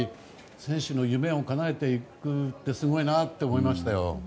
選手の夢をかなえていくってすごいなと思いましたよ。